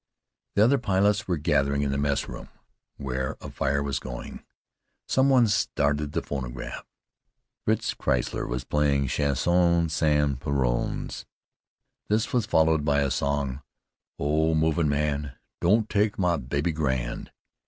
The other pilots were gathering in the messroom, where a fire was going. Some one started the phonograph. Fritz Kreisler was playing the "Chansons sans Paroles." This was followed by a song, "Oh, movin' man, don't take ma baby grand."